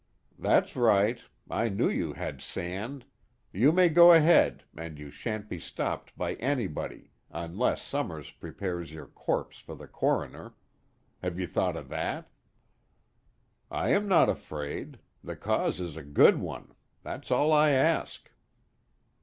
"That's right. I knew you had sand. You may go ahead, and you shan't be stopped by anybody unless Summers prepares your corpse for the coroner. Have you thought of that?" "I am not afraid. The cause is a good one. That's all I ask."